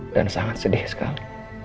dan sangat sedih sekali